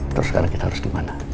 terus sekarang kita harus gimana